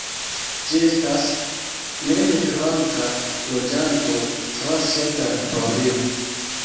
Ĝi estas nemigranta loĝanto tra sia teritorio.